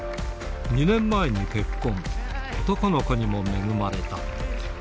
２年前に結婚、男の子にも恵まれた。